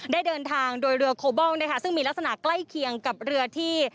ได้เดินทางโดยเรือโคบอลนะคะซึ่งมีลักษณะใกล้เคียงกับเรือที่